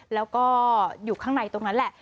แล้วก็อยู่ข้างในตรงนั้นแหละ